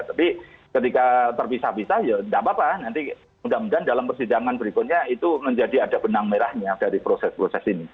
tapi ketika terpisah pisah ya tidak apa apa nanti mudah mudahan dalam persidangan berikutnya itu menjadi ada benang merahnya dari proses proses ini